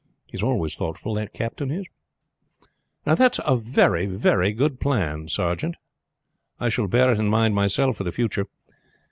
He is always thoughtful the captain is." "That's a very good plan, sergeant. I shall bear it in mind myself for the future.